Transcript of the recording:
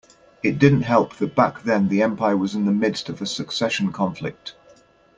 It didn't help that back then the empire was in the midst of a succession conflict.